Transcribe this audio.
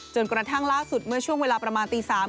กระทั่งล่าสุดเมื่อช่วงเวลาประมาณตี๓